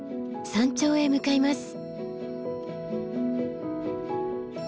山頂へ向かいます。